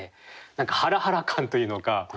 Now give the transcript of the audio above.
何かハラハラ感というのか